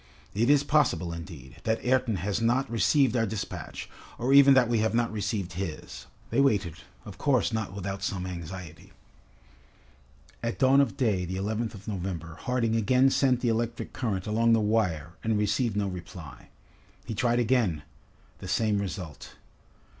"It is possible, indeed, that Ayrton has not received our despatch, or even that we have not received his." They waited, of course not without some anxiety. At dawn of day, the 11th of November, Harding again sent the electric current along the wire and received no reply. He tried again: the same result.